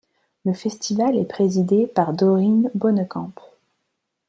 Le festival est présidé par Doreen Boonekamp.